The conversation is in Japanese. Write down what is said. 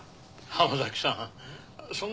浜崎さん